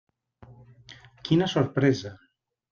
Quina sorpresa!